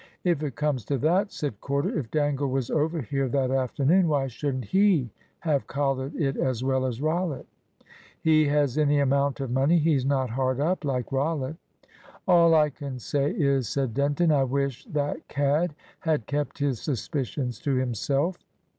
"If it comes to that," said Corder, "if Dangle was over here that afternoon, why shouldn't he have collared it as well as Rollitt?" "He has any amount of money. He's not hard up, like Rollitt." "All I can say is," said Denton, "I wish that cad had kept his suspicions to himself."